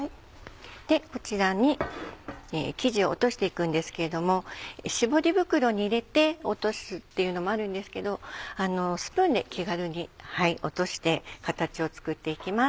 こちらに生地を落としていくんですけれども絞り袋に入れて落とすっていうのもあるんですけどスプーンで気軽に落として形を作っていきます。